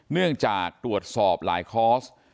เนื่องจากตรวจสอบหลายคอร์ส